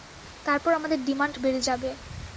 তারপর আমাদের ডিমান্ড বেড়ে যাবে।